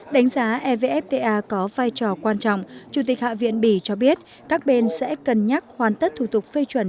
đánh giá evfta có vai trò quan trọng chủ tịch hạ viện bỉ cho biết các bên sẽ cân nhắc hoàn tất thủ tục phê chuẩn